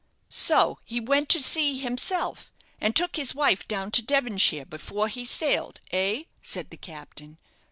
"So he went to sea himself, and took his wife down to Devonshire before he sailed, eh?" said the captain.